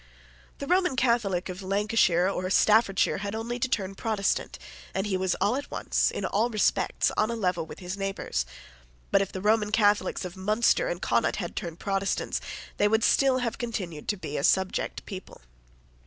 The Roman Catholic of Lancashire or Staffordshire had only to turn Protestant; and he was at once, in all respects, on a level with his neighbours: but, if the Roman Catholics of Munster and Connaught had turned Protestants, they would still have continued to be a subject people.